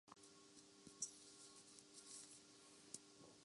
وہ کہتے ہیں۔